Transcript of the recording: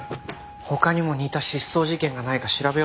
他にも似た失踪事件がないか調べようと思って。